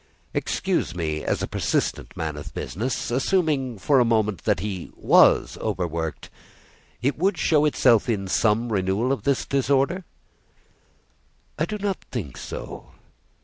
"Excuse me, as a persistent man of business. Assuming for a moment, that he was overworked; it would show itself in some renewal of this disorder?" "I do not think so.